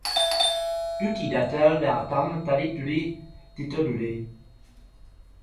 Dutý datel dá tam tady tudy tyto dudy.